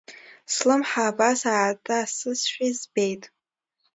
Слымҳа абас ааҭасызшәа збеит.